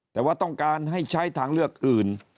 แต่ว่าต้องการให้ใช้ทางเลือกอื่น